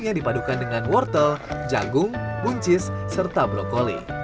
yang dipadukan dengan wortel jagung buncis serta brokoli